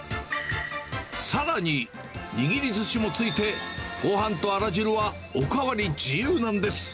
さらに、握りずしもついて、ごはんとあら汁はお代わり自由なんです。